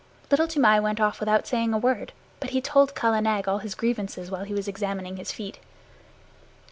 Little Toomai went off without saying a word, but he told Kala Nag all his grievances while he was examining his feet.